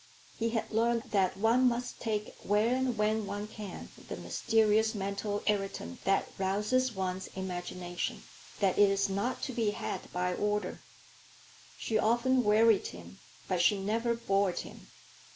He had learned that one must take where and when one can the mysterious mental irritant that rouses one's imagination; that it is not to be had by order. She often wearied him, but she never bored him.